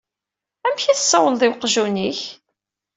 Amek i tsawaleḍ i weqjun-ik?